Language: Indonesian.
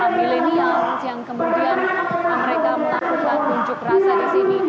ada dari aseswa milenial yang kemudian mereka melakukan unjuk rasa di sini